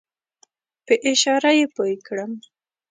په اشاره یې پوی کړم.